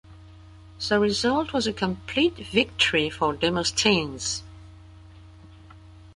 The result was a complete victory for Demosthenes.